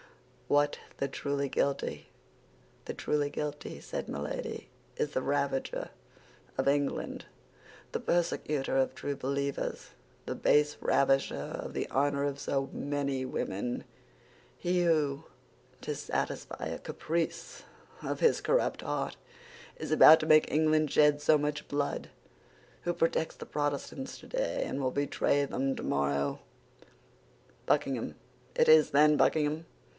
What—the truly guilty?" "The truly guilty," said Milady, "is the ravager of England, the persecutor of true believers, the base ravisher of the honor of so many women—he who, to satisfy a caprice of his corrupt heart, is about to make England shed so much blood, who protects the Protestants today and will betray them tomorrow—" "Buckingham! It is, then, Buckingham!"